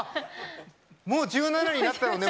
もう１７になったのね。